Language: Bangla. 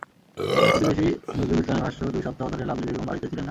প্রতিবেশী নজরুল ইসলামের ভাষ্য, দুই সপ্তাহ ধরে লাভলী বেগম বাড়িতে ছিলেন না।